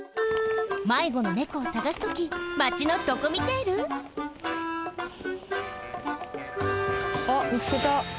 まいごの猫をさがすときマチのドコミテール？あっみつけた。